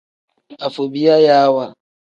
Afobiyayaawa.